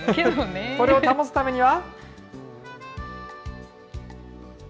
これを保つためには。